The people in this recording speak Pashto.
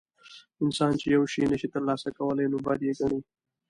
انسان چې یو شی نشي ترلاسه کولی نو بد یې ګڼي.